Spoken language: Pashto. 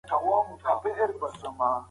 هغه څوک چي طالع نه لري جرئت هم نه لري.